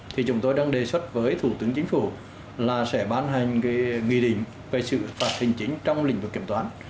thủ tướng chính phủ sẽ ban hành nghị định về sự phạt hành chính trong lĩnh vực kiểm toán